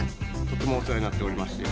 とってもお世話になっておりまして。